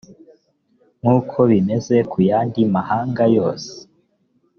nk uko bimeze ku yandi mahanga yose